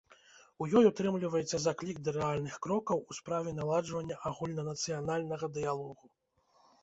У ёй утрымліваецца заклік да рэальных крокаў у справе наладжвання агульнанацыянальнага дыялогу.